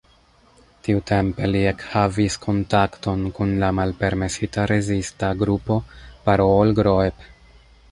Tiutempe li ekhavis kontakton kun la malpermesita rezista grupo "Parool-groep".